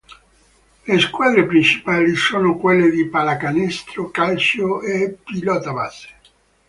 Le squadre principali sono quelle di pallacanestro, calcio e baseball.